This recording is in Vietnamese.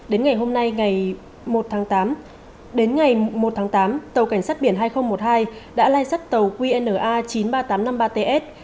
đến ngày hôm nay ngày một tháng tám tàu cảnh sát biển hai nghìn một mươi hai đã lai sắt tàu qna chín mươi ba nghìn tám trăm năm mươi ba ts